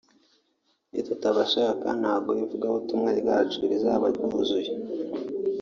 nitutabashaka ntabwo ivugabutumwa ryacu rizaba ryuzuye